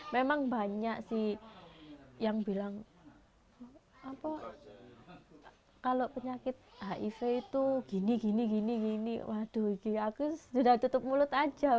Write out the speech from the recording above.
memang banyak sih yang bilang kalau penyakit hiv itu gini gini waduh aku sudah tutup mulut aja